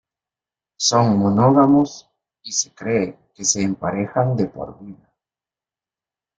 Son monógamos, y se cree que se emparejan de por vida.